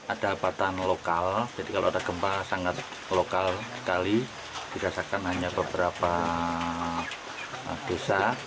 ada batan lokal jadi kalau ada gempa sangat lokal sekali dirasakan hanya beberapa desa